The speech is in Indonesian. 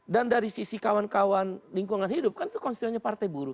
dan dari sisi kawan kawan lingkungan hidup kan itu konstituennya partai buruh